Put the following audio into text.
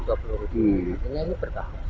artinya ini berkah